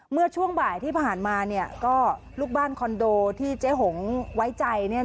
เมื่อช่วงบ่ายที่ผ่านมาก็ลูกบ้านคอนโดที่เจ๊หงไว้ใจ